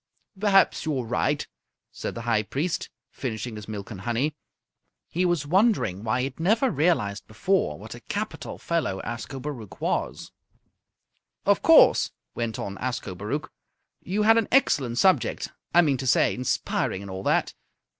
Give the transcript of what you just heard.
"Perhaps you're right," said the High Priest, finishing his milk and honey. He was wondering why he had never realized before what a capital fellow Ascobaruch was. "Of course," went on Ascobaruch, "you had an excellent subject. I mean to say, inspiring and all that.